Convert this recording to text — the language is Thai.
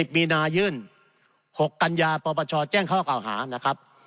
๑๐มีนายื่น๖กัญญาปรบัชชาแจ้งข้อเก่าหานะครับ